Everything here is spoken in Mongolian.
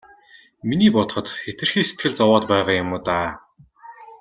Миний бодоход хэтэрхий сэтгэл зовоод байгаа юм уу даа.